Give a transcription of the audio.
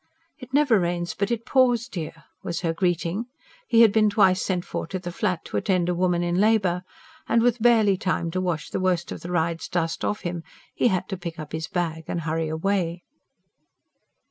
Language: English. "It never rains but it pours, dear!" was her greeting: he had been twice sent for to the Flat, to attend a woman in labour. And with barely time to wash the worst of the ride's dust off him, he had to pick up his bag and hurry away.